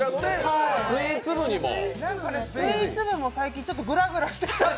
スイーツ部も最近ちょっとグラグラしてきて。